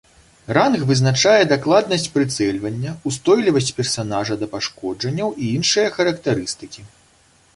Ранг вызначае дакладнасць прыцэльвання, ўстойлівасць персанажа да пашкоджанняў і іншыя характарыстыкі.